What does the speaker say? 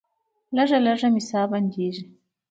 لږه لږه مې ساه بندیږي.